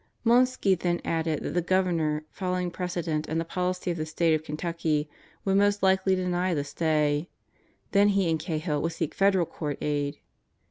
Monsky then added that the Governor, following precedent and the policy of the State of Kentucky, would most likely deny the stay. Then he and Cahill would seek federal court aid.